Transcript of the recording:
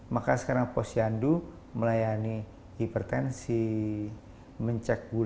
maka sekarang posyandu melayani hipertensi mengecek gula darah mengecek kolesterol